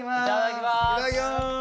いただきます！